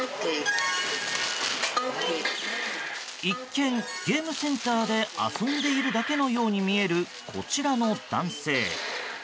一見、ゲームセンターで遊んでいるだけのように見えるこちらの男性。